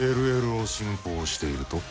ＬＬを信奉していると？